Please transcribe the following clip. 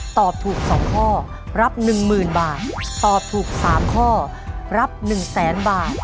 ตอบถูกสองข้อรับหนึ่งหมื่นบาทตอบถูกสามข้อรับหนึ่งแสนบาท